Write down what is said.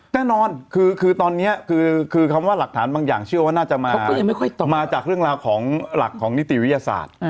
แน่นอนคือตอนนี้คือคำว่าหลักฐานบางอย่างเชื่อว่าน่าจะมาจากเรื่องราวของหลักของนิติวิทยาศาสตร์